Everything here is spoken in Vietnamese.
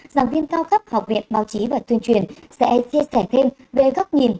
giảng viên cao cấp học viện báo chí và tuyên truyền sẽ chia sẻ thêm về góc nhìn